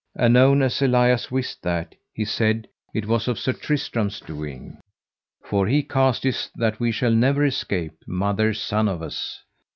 Anon, as Elias wist that, he said it was of Sir Tristram's doing: For he casteth that we shall never escape, mother son of us.